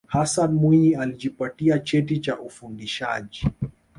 hassan mwinyi alijipatia cheti cha ufundishaji